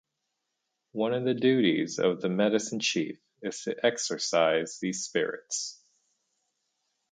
One of the duties of the medicine chief is to exorcize these spirits.